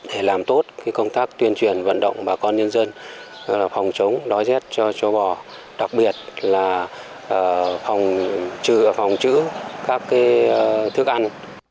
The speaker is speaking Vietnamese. để làm tốt công tác tuyên truyền vận động bà con nhân dân phòng chống đói rét cho châu bò đặc biệt là phòng chữ các thức ăn